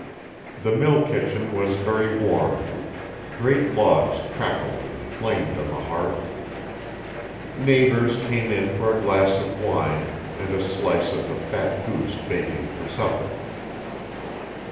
The mill kitchen was very warm: great logs crackled and flamed on the hearth; neighbors came in for a glass of wine and a slice of the fat goose baking for supper.